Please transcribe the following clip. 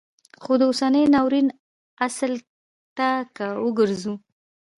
خو د اوسني ناورین اصل ته که وروګرځو